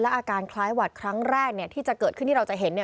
อาการคล้ายหวัดครั้งแรกเนี่ยที่จะเกิดขึ้นที่เราจะเห็น